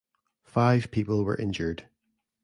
Five people were injured.